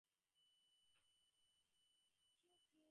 Sir, আপনার সঙ্গে এক ভদ্রলোক দেখা করতে চান।